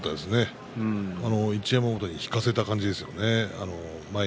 一山本に引かせた感じですよね。